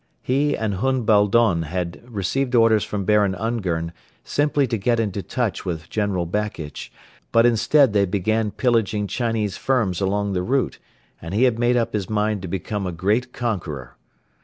He and Hun Boldon had received orders from Baron Ungern simply to get into touch with General Bakitch, but instead they began pillaging Chinese firms along the route and he had made up his mind to become a great conqueror.